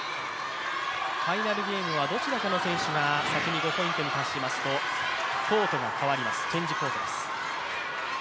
ファイナルゲームはどちらかの選手が先に５点を先取しますとコートがかわります、チェンジコートです。